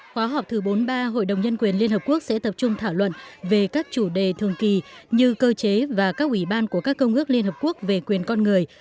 khóa học thứ bốn mươi ba hội đồng nhân quyền liên hợp quốc sẽ tập trung thảo luận về các chủ đề thường kỳ như cơ chế và các ủy ban của các công ước liên hợp quốc về quyền con người